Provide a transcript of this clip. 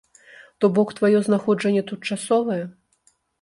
То бок тваё знаходжанне тут часовае?